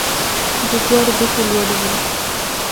د جوارو بوټی لوړ وي.